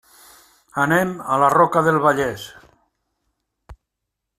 Anem a la Roca del Vallès.